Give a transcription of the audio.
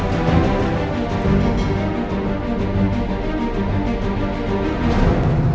lama banget sih mereka